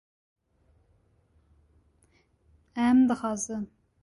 Em dixwazin